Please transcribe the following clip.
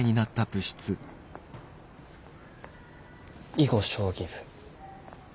囲碁将棋部。